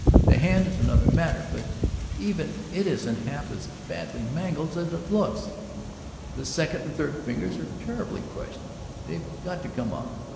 The hand is another matter; but even it isn't half as badly mangled as it looks. ... The second and third fingers are terribly crushed; they've got to come off.